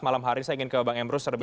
malam hari ini saya ingin ke bang emrus